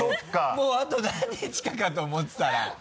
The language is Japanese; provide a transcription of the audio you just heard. もうあと何日かかと思ってたら。